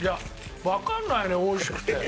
わかんないのよおいしくて。